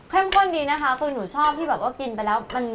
เข้มข้นดีนะคะหนูชอบที่กินไปแล้ว